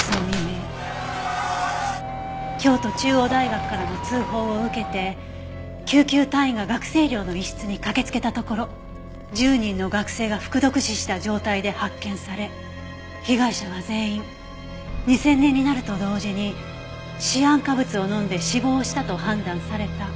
京都中央大学からの通報を受けて救急隊員が学生寮の一室に駆けつけたところ１０人の学生が服毒死した状態で発見され被害者は全員２０００年になると同時にシアン化物を飲んで死亡したと判断された。